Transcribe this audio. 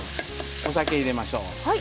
お酒入れましょう。